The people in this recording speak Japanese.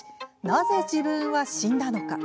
なぜ自分は死んだのか？